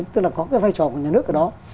tức là có cái vai trò của nhà nước ở đó